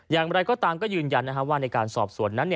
อย่างไรก็ตามก็ยืนยันว่าในการสอบสวนนั้น